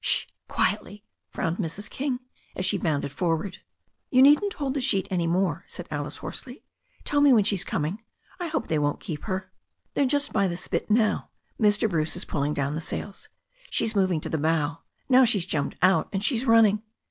"Sh! quietly," frowned Mrs. King, as she bounded for ward. "You needn't hold the sheet any more," said Alice hoarsely. "Tell me when she's coming. I hope they won't keep her." "They're just by the spit now. Mr. Bruce is pulling down the sails. She's moving to the bow, now she's jumped out, and she's running.